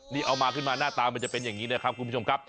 นี่เอามาขึ้นมาหน้าตามันจะเป็นอย่างนี้นะครับคุณผู้ชมครับ